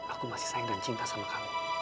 aku masih sayang dan cinta sama kami